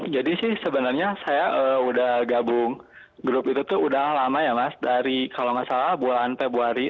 jadi sih sebenarnya saya sudah gabung grup itu sudah lama ya mas dari kalau tidak salah bulan februari